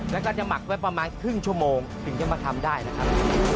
แล้วก็จะหมักไว้ประมาณครึ่งชั่วโมงถึงจะมาทำได้นะครับ